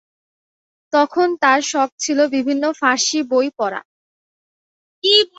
তখন তার শখ ছিলো বিভিন্ন ফার্সি বই পড়া।